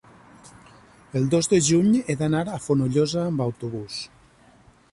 el dos de juny he d'anar a Fonollosa amb autobús.